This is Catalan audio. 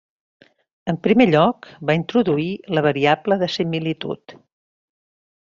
En primer lloc, va introduir la variable de similitud.